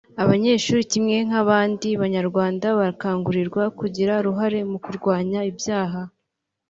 Abanyeshuri kimwe nk’abandi banyarwanda barakangurirwa kugira uruhare mu kurwanya ibyaha